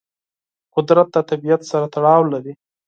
قدرت د طبیعت سره تړاو لري.